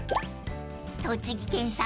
［栃木県産